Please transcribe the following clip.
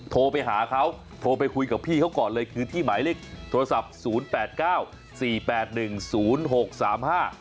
โทรไปหาเขาโทรไปคุยกับพี่เขาก่อนเลยคือที่หมายเลขโทรศัพท์๐๘๙๔๘๑๐๖๓๕